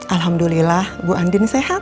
alhamdulillah ibu andin sehat